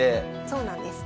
そうなんです。